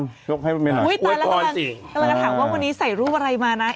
อุ๊ยตอนนั้นก็ถามว่าวันนี้ใส่รูปอะไรมานะ